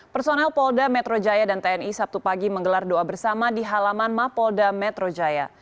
personel polda metro jaya dan tni sabtu pagi menggelar doa bersama di halaman mapolda metro jaya